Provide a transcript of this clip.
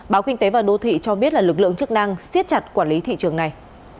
báo kinh tế và đô thị cho biết là lực lượng chức năng siết chặt quản lý thị trường này